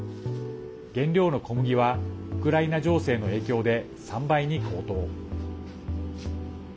原料の小麦はウクライナ情勢の影響で３倍に高騰。